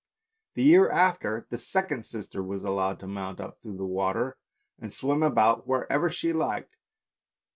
The year after, the second sister was allowed to mount up through the water and swim about wherever she liked.